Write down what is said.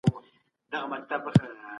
که کرنه عصري سي د حاصلاتو کچه به لوړه سي.